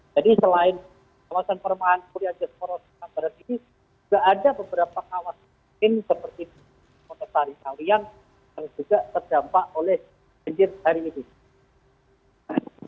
jadi selain kawasan perumahan polri adas koro semarang ini tidak ada beberapa kawasan seperti ini yang juga terdampak oleh banjir hari ini